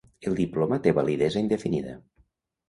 El diploma té validesa indefinida.